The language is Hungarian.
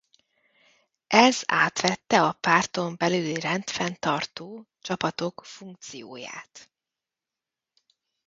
Ez átvette a párton belüli rendfenntartó csapatok funkcióját.